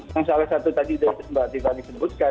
yang salah satu tadi dari mbak tika disebutkan